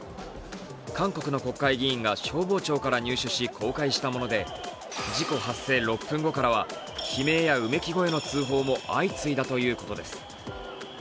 韓国の国会議員が消防庁から入手し、公開したもので事故発生６分後からは悲鳴やうめき声の通報も相次いだということです。